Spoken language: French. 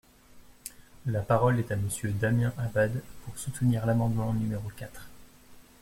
La parole est à Monsieur Damien Abad, pour soutenir l’amendement numéro quatre.